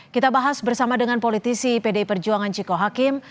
kita bahas bersama dengan politisi pdi perjuangan ciko hakim